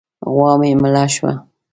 غوا مې مړه شوه.